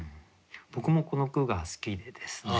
僕もこの句が好きでですね